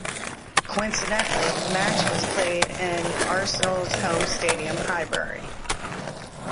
Coincidentally, the match was played at Arsenal's home stadium, Highbury.